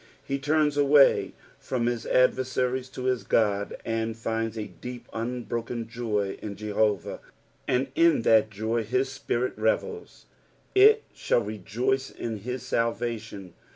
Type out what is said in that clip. lie turns away from his adversaries to his God, and finds a deep unbroken joy in Jehovah, and in that joy his spirit revets. " Jt jAoU rejoice in hi* talvation."